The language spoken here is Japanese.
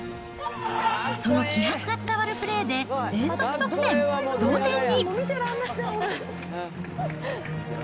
その気迫が伝わるプレーで連続得点、同点に。